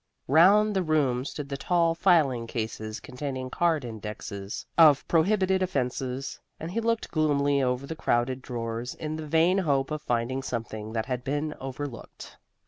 Round the room stood the tall filing cases containing card indexes of prohibited offences, and he looked gloomily over the crowded drawers in the vain hope of finding something that had been overlooked.